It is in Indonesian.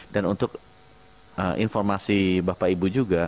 dan untuk informasi bapak ibu juga